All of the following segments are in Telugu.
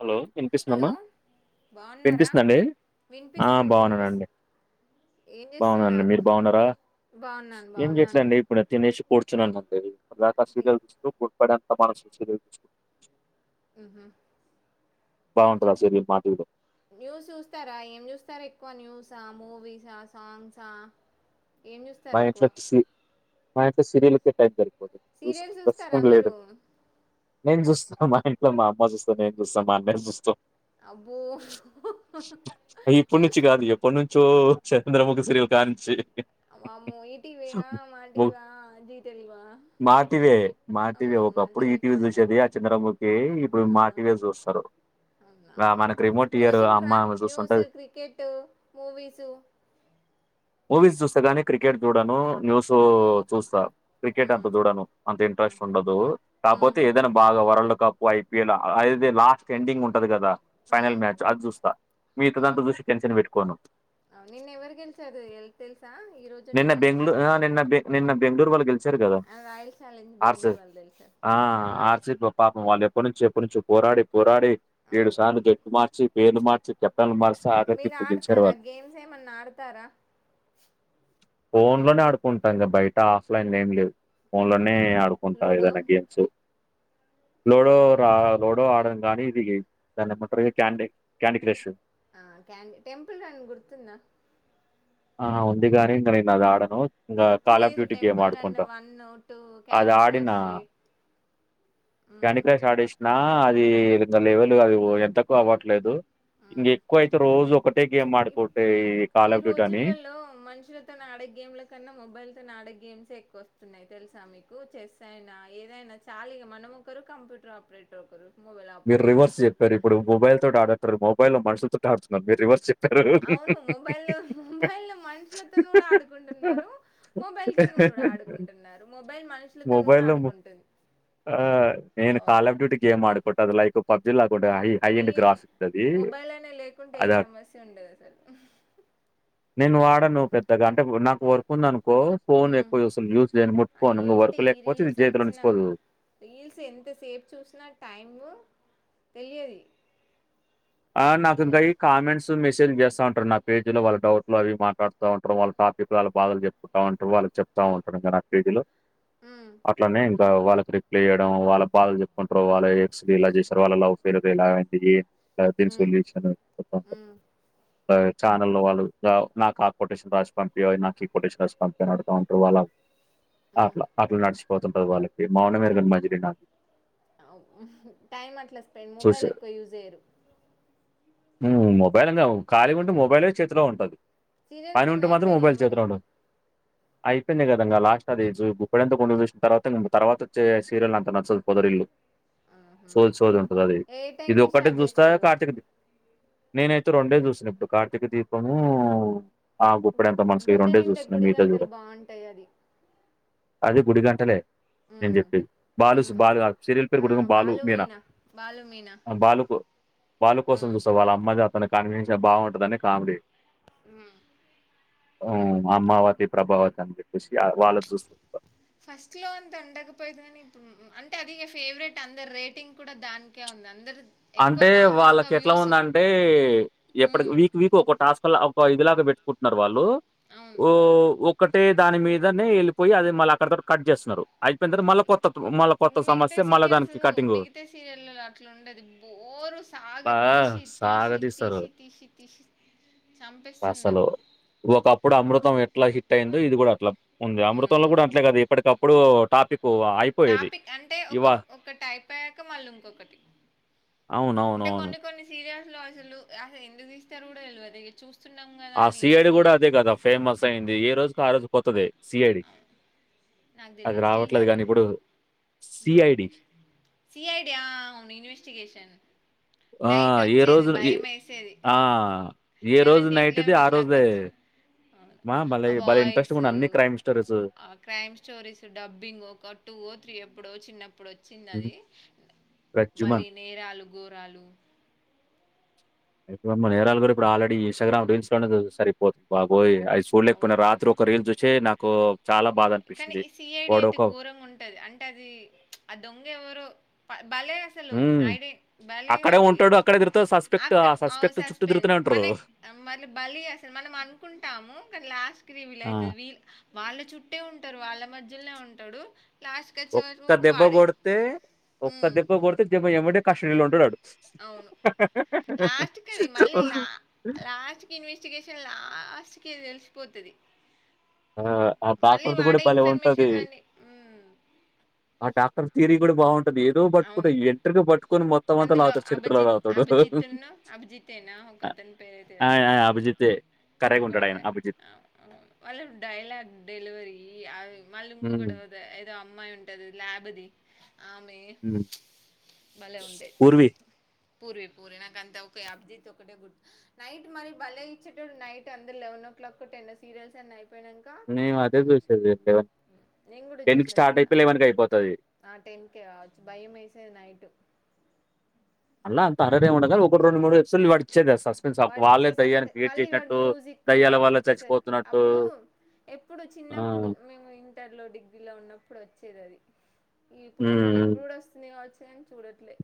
హలో హలో వినిపిస్తుందమ్మా బాగున్నారా వినిపిస్తుందండి వినిపిస్తుంది వినిపిస్ బాగున్నానండి ఏం బాగున్నానండి చేస్తున్నారు మీరు బాగున్నారా బాగున్నాను ఏం చేయట్లే బాగున్నాను అండి ఇప్పుడు అది తినేసి పడు రీ [inaudible] ఉహు బాగుంటది ఆ సీరియల్ మాటీవీలో న్యూస్ చూస్తారా ఏం చూస్తారు ఎక్కువ న్యూసా మూవీస్ ఆ సాంగ్స్ ఆ ఏం చూస్తారు ఎక్కువ నాకు సీరియల్ ఏ సెట్ అయితాయి, సీరియల్ చూస్తారా మీరు నేను చూస్తాను మా ఇంట్లో మా అమ్మ చూస్తాది నేను చూస్తా మా అన్నయ్య చూస్తాం అబ్బో ఇప్పటి నుంచి న్యూస్ కాదు ఎప్పటినుంచో చంద్రముఖి సీరియల్ కానుంచి వామ్మో ఈటీవీ గా మాటీవీ ఆ జీ తెలుగు ఆ అవునా మా అప్పుడు టీవీ ఈటీవీ ఫ్యానా చూసేది ఆ చంద్రముూఖి ఇప్పుడు ఆ మాటీవీ చూస్తారు, ఆ మనకు రిమోట్ ఇయర్ న్యూస్ అమ్మ చూడరా ఆమె న్యూస్ చూస్తుంటది క్రికెట్ మూవీస్ [unintelligible] మూవీస్ చూస్తే గానీ క్రికెట్ చూడను న్యూస్ చూస్తా క్రికెట్ ఉమ్ అంత చూడను అంత ఇంట్రెస్ట్ ఉండదు ఉమ్ కాకపోతే ఏదైనా బాగా వరల్డ్ కప్పు ఐపీఎల్ అదదే లాస్ట్ ఎండింగ్ ఉంటది కదా ఉమ్ ఫైనల్ మ్యాచ్ అది చూస్తా మిగతాదంతా చూసి టెన్షన్ పెట్టుకోను ఆ నిన్న ఎవరు గెలిచారో తెలుసా ఈరోజు నిన్న నిన్నను బెంగళూరు ఆ నిన్న బెంగళూరు వాళ్లు గెలిచిరు కదా ఆ రాయల్ ఛాలెంజ్ ఆర్స్ బెంగళూరు వాళ్ళు గెలిచారు ఆ ఆర్ పాపం వాళ్ళు ఎప్పటి నుంచి ఎప్పటి నుంచి పోరాడి పోరాడి ఏడు అవును సార్లు జట్టు మార్చి పేర్లు మార్చి కెప్టెన్లు మార్చి ఆఖరికి మీరు ఇప్పుడు గెలిచారు ఆడతారా వాళ్ళు గేమ్స్ ఏమన్నా ఆడతారా ఫోన్ లోనే ఆడుకుంటాం కదా బయట ఆఫ్లైన్ ఏం లేదు ఫోన్ లోనే ఆడుకుంటా లూడో ఏదైనా గేమ్స్ [unintelligible] లోడో రా లోడో ఆడను గాని ఇది దాన్ని ఏమంటారు క్యాండీ క్యాండీ క్రష్ ఆ క్యా టెంపుల్ రాన్ గుర్తుద ఆ ఉంది కానీ ఇంకా నేను అది ఆడను ఇంకా ఇప్పుడు కాల్ ఆఫ్ లేదు డ్యూటీ గేమ్ టెంపుల్ రాన్ ఆడుకుంటా వన్ టూ అది క్యాండీ ఆడిన క్రష్ ఉమ్ క్యాండీ క్రాష్ ఆడేసినా అది ఇంకా లెవెల్ అది ఎంతకు అవట్లేదు. ఉమ్ ఇంకా ఎక్కువ అయితే రోజు ఒకటే గేమ్ ఆడుకోంటా కాలప్ డ్యూట్ అని మనుషు తో ఆడే గేమ్లో కన్నా మొబైల్ ఆడే గేమ్స్ ఎక్కువ వస్తున్నాయి తెలుసా మీకు చెస్ ఎ ఇదైనా చాలీగా మనము ఒకరు కంప్యూటర్ ఆపరేటర్ ఒకరు మొబైల్ మీరు ఆపరేటర్ రివర్స్ చెప్పారు ఇప్పుడు మొబైల్ తోటి ఆడతారు మొబై లో మనుషులతో ఆడుతున్నారు మీరు రివర్స్ చెప్పారు, అవును మొబైలో మొబైలో మనుషులతో కూడా ఆడుకుంటున్నారు మొబైల్ తోను కూడా ఆడుకుంటున్నారు మొబైల్ మనుషులతో కూడా ఆడుకుంటుంది. ఆ నేను కల్ ఆఫ్ డ్యూటి గేమ్ ఆడుకుంటా అది లైకు పబ్జిలా ఈ మొబైల్ అనే లేకుంటే ఏ అదా సమస్య ఉండదు అసలు నేను వాడాను ఓ పెద్దగా అంటే నాకు వర్క్ ఉందనుకో ఎ ఫో ఎక్కువ చూస్తా యూజ్ చేయ ఆ ముట్కోను ఇ ఏంటి వర్క్ ఈ లేకపోచ్చతే ఇది రీల్స్ జీవితంలో వచ్చినా నిచిపోదు రీల్స్ ఎంతసేపు చూసినా టైమ్ తెలియది ఆ నాకు ఇంకా ఈ కామెంట్స్ మెసేజ్ లు చేస్తా ఉంటారు నా పేజీ లో వాళ్ళ డౌట్ లో అవి మాట్లాడుత ఉంటారు వాళ్ళ టాపిక్ లో వాళ్ళ బాధలు చెప్తా ఉంటారు, వాళు చెప్తా ఉంటారు నాకు పీజీలో అట్లానే వాళ్ళకి రిప్లై ఎయడం వాళ్ళ బాధలు చెప్పుకుంటారు వాళ్ళ ఎక్స ఇలా చేసారు వాళ్ళ లవ్ ఫెలియర్ ఇలా అంది. లైఫ్ సొల్యూషన్ లైక్ ఛానల్లో వాళ్ళు నాకు ఆ కొటేషన్ రాసి పంపియ నాకు ఈ కొటేషన్ రాసి పంపియని అడుగుతా ఉంటారు వాళ్ళ అట్లా అట్లా నడిచిపోతుంటది వాళ్ళకి మౌనమెరుగని మజిలీనా అవును టైమ్ అట్లా స్పెండ్ మొబైల్ ఎక్కువ యూజ్ చేయ్యరు. ఉ మొబైల్ [unintelligible] ఖాళీగా ఉంటే మొబైలే చేతిలో ఉంటది. సీరియల్స్ పని అన్ని ఉంటే మాత్రం అయిపోయినాయా మొబైల్ మరి చేతులో ఉండదు. [inaudible] అయిపోయిందిగా కదా ఇంగ లాస్ట్ అది జు గుప్పడంత కొ చూసిన తర్వాత తర్వాత వచ్చే సీరియల్ అంత నచ్చదు పొదరిల్లు. ఆహా. సోది సోది ఉంటుంది అది ఏ ఇది టైంకి ఒక్కటికి స్టార్ట్ చూస్తా చేస్తారు కార్తీక దీ నేనైతే రెండే చూసిన ఇప్పుడు కార్తీక దీపము ఆ గుప్పెడంత మనసు ఈ గుండె రెండే నిండా చూస్తున్నా మిగతా చూడ గుడిగంటలు బాగుంటాయి అది అది గుడిగంటలే నేను ఉమ్, చెప్పి బాలు ఉమ్. బాలు ఆ సిరీయల్ ఆ, పేరు కూడా బాలు మీనా. బాలు మీనా బాలు కో బాలు కోసం చూస్తా ఉమ్, వాళ్ళ అమ్మాది అతనిది కన్వినేషన్ బాగుంటదని కామెడీ. ఉ అ అమ్మావతి ప్రభావతి అని చెప్పేసి వాళ్ళు చూస్త ఫస్ట్ లో అంత ఉండకపోయిద్ది కానీ అంటే అది ఫేవరెట్ అందరు రేటింగ్ కూడా దానికే వుం నందరు అంటే వాళ్ళకి ఎట్లా ఉందంటే ఎప్పటికి ఉమ్ వీక్ వీక్ ఒ ఓ టాస్క్లా ఇదిలాగా పెట్టుకుంటున్నారు వాళ్ళు అవును ఓ ఒక్కటే దాని మీదనే వెళ్ళిపోయి అది మల్లా అక్కడతోటి కట్ చేస్తున్నారు. అయిపోయిన తర్వాత మళ్ళా కొత్త మళ్ళా కొత్త ఇంక మిగతా సమస్య మళ్ళా సీరియల్స్ దానికి కటింగు. ది బోరు సాగ అబ్బా! తీసి తీసి సాగదీస్తారు. తీసి తీసి తీసి అసలు చంపేస్తున్నారు ఒకప్పుడు అమృతం ఎట్లా హి హిట్ అయిందో ఇది కూడా అట్లా ఉంది అమృత లో ఉమ్ కూడా అట్లే కదా ఇప్పటికప్పుడు టాపిక్. టాపిక్ అంటే ఒక ఒకటి అయిపోయాక మల్లా ఇంకొక్కటి. అవునవునవును సీరియల్స్ లో అసలు అసలు ఎందుకు తీస్తారో కూడా తెల్వదు ఇగ చూస్తే. ఆ సిఐడి కూడా అదే కదా ఫేమస్ అయింది ఏ రోజుకి ఆ రోజు కొత్తది సిఐడి. నాకు అది తెలియదు రావట్లేదు కాని శ్రీహరియా ఇప్పుడు సీఐడి. సిఐడి ఆ అవును ఇన్వెస్టిగేషన్ ఆ! నైట్ ఏ వచ్చేది రోజు ఎ భయం వేసేది ఆ! ఏ రోజు లెవెనే నైట్‌ది లెవెన్ ఓ ఆ క్లాక్ రోజే వచ్చి మా భలే ఆ భలే వాయిసు ఇంట్రెస్టింగున్నాయి అన్ని క్రైమ్ స్టోరీసు. ఆ క్రైమ్ స్టోరీసు డబ్బింగ్ ఒక టు గో త్రి ఎప్పుడో చిన్నప్పుడు వచ్చింది హ్మ్. అది 'గజ్జుమ.' మళ్ళీ నేరాలు ఘోరాలు. ఇప్పుడెమ్మ నేరాలు ఇవి కూడా ఇప్పుడు ఆల్రెడి ఇంస్టాగ్రామ్ రీల్స్ లోనే సరిపోతుంది బాగా. పోయి అది చూడలేకపోయినా అవు రాత్రి ఒక రీల్ చూసే నాకు చాలా బాధ కానీ అనిపిచ్చింది. ఈ సిఐడి వాడు అయితే ఒక ఘోరంగా ఉంటది అంటే అది చ్ ఆ దొంగ ఎవరో. బలే అసలు హ్మ్. ఐడి బలే అక్కడే అది ఉంటాడు. అక్కడే తిరుగుతాడు. సస్పెక్ట్ ఆ అక్కడ అవ్ సస్పెక్ట్ చుట్టూ సస్పెన్స్ తిరుగుతూనే మన ఉంటారు. టే మళ్ళీ బలి అసలు మనం అనుకుంటాము కానీ లాస్ట్ కి రివిల్ ఆ! అయితది వీళ్ళు వాళ్ళ చుట్టే ఉంటారు వాళ్ళ మధ్యలోనే ఉంటాడు లాస్ట్‌కి వచ్చే ఒక్క వరకు దెబ్బ వాడే. కొడితే ఒక్క హ్మ్. దెబ్బ కొడితే దిమ్మ ఎమ్మటే కస్డీలో ఉంటాడు వాడు. అవును లాస్ట్ కి అది మళ్ళీ లా లాస్ట్ కి ఇన్వెస్టిగేషన్ లా లాస్ట్కి తెలిసిపోతది ఆ ఆ మళ్ళీ పకృతి కూడా వాడే భలే ఉంటది ఇన్ఫర్మేషన్‌లన్నీ హ్మ్. ఆ ట తీరి కూడా బాన్ అడు ఏదో అవును. పట్టుకుంటాడు ఎంటరికి పట్టుకొని మొత్తం అంతా అందులో లాగుతాడు చరిత్ర అభిజిత్ లాగుతాడు. ఇగదంతే ఏదయినా కర్రాగా ఉంటాడయినా అభిజిత్ వాళ్ళు డైలాగ్ డెలివరీ అవి మళ్ళీ హ్మ్. ఇంకొకటి పోతే ఏదో అమ్మాయి ఉంటది ల్యాబ్ ది ఆమె హ్మ్ భలే ఉండేది పూర్వీ పూర్వి పూరి నాకంత ఒకే అబ్జిత్ ఒకటే గుర్త్ గుడ్ నైట్ మరీ బలే ఇచ్చేటోడు నైట్ అందరు లెవెనో ఒక్కటేనా సీరియల్స్ అన్ని అయి మేము అదే చూసేదక్క టెన్ కి స్టార్ట్ అయితే లెవెన్ కి అయిపోతది. ఆ టెన్ కేే కావచ్చు భయం ఏసేది నైట్ అల్లా అంత పడుకో [unintelligible] వచ్చేదా సస్పెన్స్ వాడు ఇచ్చే వాళ్ళే సస్పె దయ్యాన్ని క్రియేట్ మళ్ళీ వాడు చేషినట్టు మ్యూజిక్ దయ్యాల అవి వల్ల ఇచ్చేసరికి చచ్చిపోతున్నట్టు అప్పుడు ఎప్పుడు చిన్నప్పుడు ఆ! మేము ఇంటర్ లో, డిగ్రీ లో ఉన్నప్పుడు వచ్చేది అది ఇప్పుడు చూడ్లే హ్మ్. ఇప్పుడు కూడా వస్తున్నయి కావచ్చు కని చూడట్లే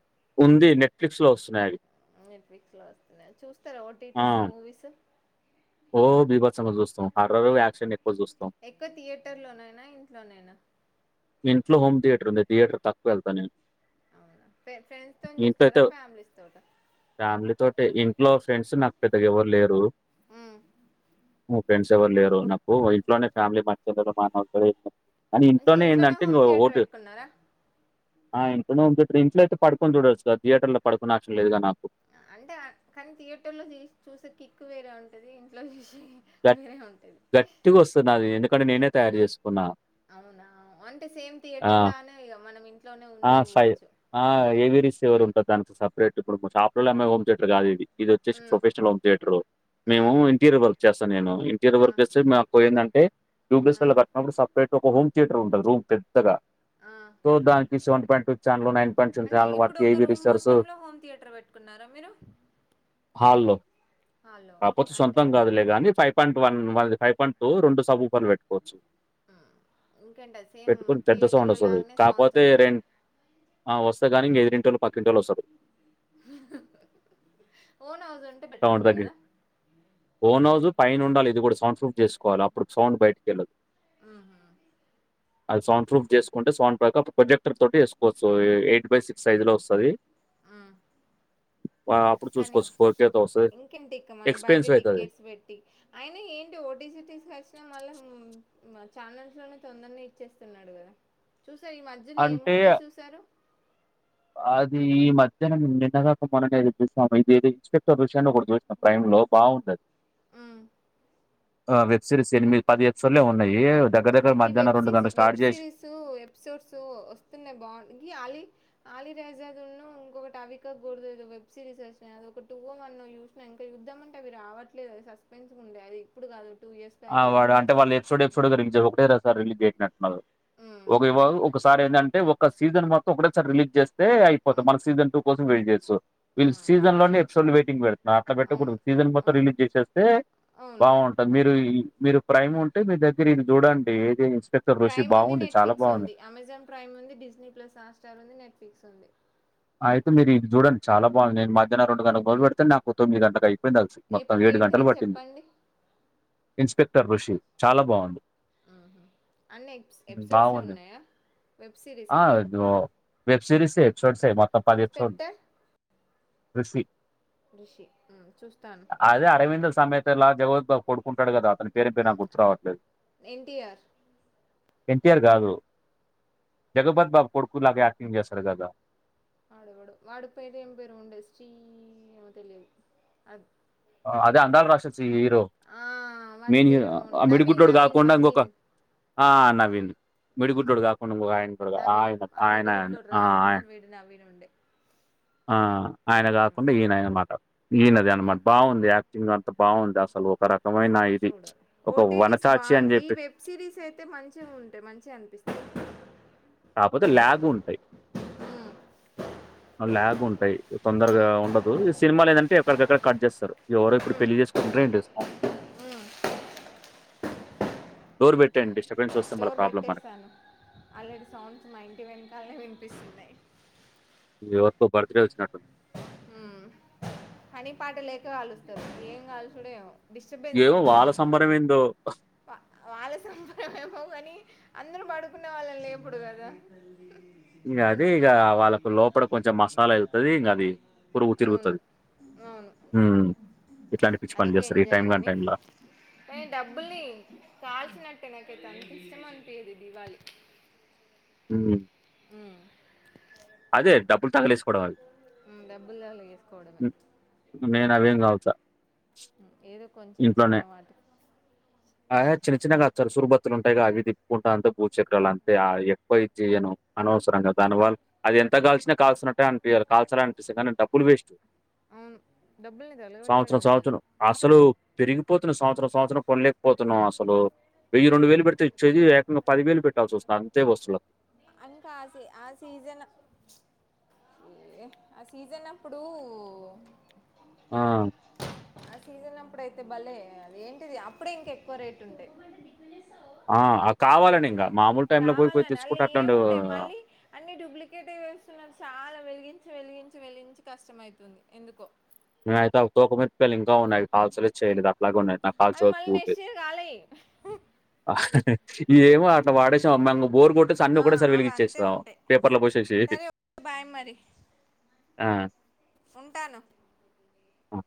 ఉంది నెట్ఫ్లిక్స్ లో వస్తున్నాయి అవి నెట్ఫ్లిక్స్ లో వస్తున్నాయ చూస్తారా ఓటీటీస్, మూవీస్ రోజు బిభత్సమ్ గా చూస్తాం హార్రర్, యాక్షన్ ఎక్కువ చూస్తాం. ఎక్కువ థియేటర్ లోనైనా, ఇంట్లోనైనా ఇంట్లో హోమ్ థియేటర్ ఉంది. థియేటర్ తక్కువ వెళ్తా నేను అవునా ఫె ఫ్రెండ్స్ తో ఇంట్లో చూస్తారా, అయితే ఫ్యామిలీస్ తోట ఫ్యామిలీ తోటే ఇంట్లో ఫ్రెండ్స్ నాకు పెద్దగా ఎవరు లేరు ఉ ఫ్రెండ్స్ ఎవరు లేరు నాకు ఇంట్లోనే ఫ్యామిలీ [unintelligible] కాని ఇంట్లోనే ఏందీ అ హోమ్ థియేటర్ పెట్కున్నారా ఆ ఇంట్లనే ఉంటది ఇప్పుడు ఇంట్లో అయితే పడుకొని చూడచ్చు గా థియేటర్ పడుకునే ఆప్షన్ లేదు గా నాకు అంటే అ కానీ థియేటర్ లో తీసి చూసే కిక్ వేరే ఉంటది. ఇంట్లో చ గట్ గట్టి గోస్తది నాది ఎందుకంటే నేనే తయారు చేసుకున్నా అవునా అంటే సేమ్ ఆ! థియేటర్ లానే ఇగ మనం ఇంట్లోనే ఆ! ఉండి ఫై చూడొచ్చు. ఆ ఏవిరిస్ ఎవరు ఉంటారు దానికి సపరేట్ ఇప్పుడు షాప్ లో అమ్మే హోమ్ థియేటర్ కాద్ ఇది ఇది వచ్చేసి ఉమ్ ప్రొఫెషనల్ హోమ్ థియేటర్ మేము ఉమ్ ఇంటీరియర్ వర్క్ చేస్తా నేను ఇంటీరియర్ ఆ వర్క్ చేస్తే మాకు ఏందంటే ట్యూబ్లెస్ ఆ లో కట్టినప్పుడు సపరేట్ ఇప్పుడు ఒక హోమ్ థియేటర్ ఉంటంది రూమ్ పెద్దగా ఆ సో దానికి సెవెన్ పాయింట్ టూ ఛాన్ నైన్ అంటే ఇప్పుడు ఒక రూమ్ మొత్తంలో హోమ్ థియేటర్ పెట్టుకున్నారా మీరు హాల్లో కాపోతే అంటే సొంతం గాదులే గానీ five point one five point two రెండు స వాళ్ళు పెట్టుకోవచ్చు ఇంకేంటది సేమ్ పెట్టుకొని పెద్ద సౌండ్ థియేటర్ లో వస్తది. లాగానే సౌండ్స్ కాపోతే వస్తాయి. రెం ఆ వస్తాయి గాని ఎదిరిటోళ్లు పకింటోళ్ళు వస్తరు ఓన్ హౌస్ ఉంటే బెటర్ ఉండె కదా రోజు పైన ఉండలా ఇది గుడా సౌండ్ బుక్ చేసుకోవాల అప్పుడు సౌండ్ బయటికెళ్ళోదు హు హ్మ్ అది సౌండ్ ప్రూఫ్ చేసుకుంటే సౌండ్ ప్యాకప్ ప్రొజెక్టర్ తోటి చెసుకోవచ్చు ఎయిట్ బై సిక్స్ సైజ్ లో వస్తది. మ్మ్ అప్పుడు చూసుకోవచ్ ఫోర్ కే తౌసి ఇంకేంటి ఇక మనం బయట ఎక్స్పన్స్్ అయితది. టికెట్స్ పెట్టి అయిన ఏంటి ఓటీ, సిటీస్ వచ్చినయ్ వల్ల ఛానల్స్ లోనే తొందర్నే ఇచ్చేస్తున్నాడు కదా చూసా ఈ మధ్యనా ఏం అంటే మూవీ చూసారు. అది ఈ మధ్యాహ్నం నిన్న కాక మొన్న నే [unintelligible] ఇది ఏదో ఇన్స్పెక్టర్ విషయాన్ని ఒకటి చూసినా ప్రైమ్ ఒ బాగుంటది ఆ ఆ వెబ్ సిరీస్ ఎనిమిది పది ఎపిసోడ్లో ఏమో ఉన్నాయి వెబ్ వెబ్ చేసి సిరీస్ ఎపిసోడ్స్ వస్తున్నాయి బాగు ఈ అలీ అలీ [inaudible] ఒక టవీకూడదు వెబ్ సిరీస్ వచ్చినా అ ఒక టూ ఓ వన్ ఓ చూసిన ఇంకా చూద్దామ్ అంటే అవి రావట్లేదు సస్పెన్స్ ఉండే ఆది ఇప్పుడు కాదు టూ ఇయర్స్ ఆ బ్యాక్ వాడు చూసినా అంటే వాళ్ళ ఎపిసోడ్ ఎపిసో రిలీజ్ ఒకటే సారీ రిలీజ్ చేసినట్టున్నారు ఉమ్. ఒక ఏమో ఒకసారి ఏంది అంటే ఒక సీజన్ మొత్తం ఒకటేసారి రిలీజ్ చేస్తే అయిపోతం ఉమ్. మల్ల సీజన్ టూ కోసం వెయిట్ చేస్త ఆ. వీళ్ళ సీజన్ లోనే ఎపిసోడ్ వెయిటింగ్ పెడ్తర్ర్ నా అట్లా అవును పెట్టకూడదు సీజన్ మొత్తం అవును రిలీజ్ చేసేస్తే అవును బాగుంటది మీర్ మీరు ప్రైమ్ ఉంటే మీ దగ్గర ఈ చూడండి ఏది ఇన్స్పెక్టర్ ఋషి ప్రైమ్ ఉంది బావుంది. చాలా నెట్ఫ్లిక్స్ బావుంది. ఉంది అమెజాన్ ప్రైమ్ ఉంది డిజిననీ ప్లస్ హాట్ స్టార్ ఉంది నెట్ఫ్లిక్స్ ఉంది అయితే మీరు ఇది చూడి చాలా బాగు నేను మధహ్న రెండు గంటలకు మొదలు పెడితేను నాకు తొమ్మి గంట అయితే యిందిలిసి ఎప్ మొత్తం ఏడు ఏంటిది గంటలు పట్టింది చెప్పండి ఇన్స్పెక్టర్ రుషి చాలా బాగుంది అన్ని ఎపిసోడ్సే బావుంది. ఉన్నాయా వెబ్ ఆ! సిరీసేన జో వెబ్ సిరీస్ ఎ ఎపిసోడ్స్ ఏ మొత్తం పది ఎపిసోడ్ క్రిష రిషి ఉమ్ చూస్తాను అదే 'అరవింద సమేతలా జగత్ కు ఓ కొడుకుంటాడు కదా అతని పేరు ఏం పేరో నాకు గుర్తు రావట్లేదు ఎన్టీఆర్ ఎన్టీఆర్ కాదు జగపత్ బాబు కొడుకులాగా యాక్టింగ్ చేస్తాడు కదా వాడెవడో వాడిపేరు ఏం పేరో ఉండే స్టీ ఏమో తెలియదు అది అదే అందాల రాక్షస్స్ సి హీరో ఆ వాని మెయిన్ హీరో పేరేమో ఉండే, ఆ నవీన్ మిడిగుట్లోడు నవీన్ కాకుండా ఇంకొక నవీన్ ఆ నవీన్ మ్మ్, మిడిగుట్లోడు కాకుండా ఇంకో ఆయన ఉంటాడుగా నవీన్ ఆయన వాడు ఆయన ఆయన మిడిగుడ్లోడు ఆ రాహుల్ ఆయన వీడు నవీన్ ఉండే ఆ ఆయన కాకుండా ఈయనయన మాట ఈయనది అన్నమాట బాగుంది యాక్టింగ్ అంతా బాగుంది అసలు ఒక రకమైన ఇది. ఒక ఓటీటిస్ బా వనచాచి అని ఈ చెప్పి వెబ్ సిరీస్ అయితే మంచిగా ఉంటాయి మంచిగా అనిపిస్తుంది కాపోతే ల్యాగ్ ఉంటాయి ల్యాగ్ ఉంటాయి తొందరగా ఉండదు ఈ సినిమాలు ఏంటంటే ఎక్కడికెక్కడ కట్ చేస్తారు ఎవరో ఇప్పుడు పెళ్లి చేసుకుంటరే ఏమ్ చేస్తం డోర్ పెట్టండి డిస్టర్బెన్స్ వస్తే మళ డోర్ ప్రాబ్లం మనకి పెట్టేస్తాను ఆల్రెడీ సౌండ్స్ మా ఇంటి వెనకాలనే వినిపిస్తున్నాయి ఎవరిదో బర్తడే వచ్చినట్టుంది పని పాట లేక కాలుస్తారు ఏం కల్సుడో ఏమో డిస్టర్బెన్స్ ఏమో ఇప్పుడు వాళ్ళ సంబరం ఏందో వా వాళ్ళ సంబురం ఏమో గాని అందర పడుకునే వాళ్ళని లేప్పుడు కదా ఇంగా అదే ఇగా వాళ్ళకు లోపల కొంచెం మసాలా వెళ్తది ఇంకా అది పురుగు అవును తిరుగుతుంది అవును ఉమ్ ఇట్లాంటి పిచ్చి పనులు చేస్తారు ఈ టైం కానీ టైంలా ఏ డబ్బులీ కాల్సినట్టే నాకు ఇష్టం అనిపియదు ఇది ఇవ్వాలి హ్మ్. అదే డబుల్ తగలెస్ డబ్బులు తగిలేసుకోవడమే నవేం కావుచ ఏదో కొంచెం చిన్నవాటి ఆ చిన్న చిన్నగా చర్చూరు బత్తులు ఉంటాయిగా అవి తిప్పుకుంటా అంతే భూచక్రాలు అంతే ఆ ఎక్కువ ఇది చేయను అనవసరంగా దానివల్ల అది ఎంత కాల్సినా కాల్సినటు కాల్చాల అంట డబ్బులు వేస్ట్ అవును డబ్బుల్ని సంవత్సరం తగలబెట్టడమే కదా సంవత్సరం అసలు పెరిగిపోతున్నా సంవత్సర సంవత్సరం కొనలేకపోతున్నాం అస్సలు వెయ్యి రెండు వేలు పెడితే ఇచ్చేది ఏకంగా పది వేలు పెట్టాల్సి వస్తా అంతే వస్తువులకి అంకాసే ఆ సీజన్ ఏ ఆసీజన్ అప్పుడు ఆ ఆ సీజన్ అప్పుడైతే భలే ఏంటిది ఆ అప్పుడే ఇంకా ఎక్కువ రేటు ఉండేదీ ఆ కావాలని ఇంగ మామూలు టైమ్ లో పోయిపోయి తెచ్చుకుంటా ఆన్ ఏంటాయి మళ్ళీ అన్ని డూప్లికేట్ అ వేస్తున్నారు చాలా వెలిగించి వెలిగించి వెలిగించి కష్టమౌతుంది ఎందుకో నేను అయితే అవొకోపాలు ఇంకా ఉన్నాయి అవి కాల్చలేదు చేయలేదు లాగున్నాయి నాకు అవి కాల్చబుది మళ్ళీ నెక్స్ట్ అవలేదు ఇయర్ కాలేయి ఇ ఏమో అట్లా వాడేసాం మేము బోర్ కొట్టే అన్ని కూడా సరి వెలిగచ్చేస్తాం పేపర్ లో పోచ్చేసి బై మరి ఆ ఉంటాను ఆ